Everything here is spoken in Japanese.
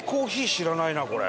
知らないなこれ。